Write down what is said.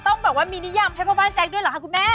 ต้องแบบว่ามีนิยมให้พ่อบ้านแจ๊คด้วยเหรอคะคุณแม่